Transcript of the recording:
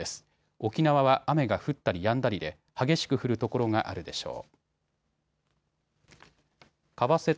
沖縄は雨が降ったりやんだりで激しく降る所があるでしょう。